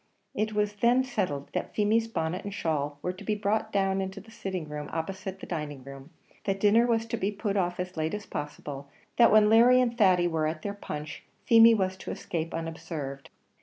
It was then settled that Feemy's bonnet and shawl were to be brought down into the sitting room opposite the dining room that dinner was to be put off as late as possible that when Larry and Thady were at their punch, Feemy was to escape unobserved.